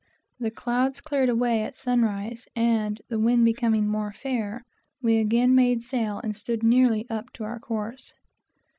The clouds cleared away at sun rise, and the wind becoming more fair, we again made sail and stood nearly up to our course.